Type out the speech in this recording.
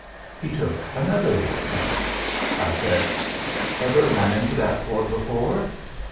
He took another little think. I said: 'Ever ran into that port before?'